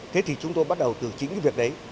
thế thì chúng tôi bắt đầu từ chính cái việc đấy